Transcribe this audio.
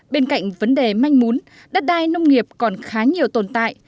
bên cạnh vấn đề manh mún đất đai nông nghiệp còn khá nhiều tồn tại